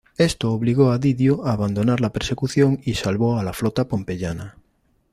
Esto obligó a Didio a abandonar la persecución y salvo a la flota pompeyana.